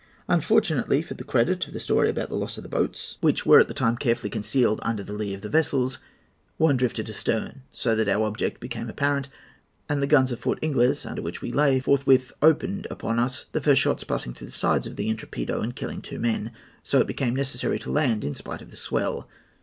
"Unfortunately for the credit of the story about the loss of the boats, which were at the time carefully concealed under the lee of the vessels, one drifted astern, so that our object became apparent, and the guns of Fort Ingles, under which we lay, forthwith opened upon us, the first shots passing through the sides of the Intrepido and killing two men, so that it became necessary to land in spite of the swell.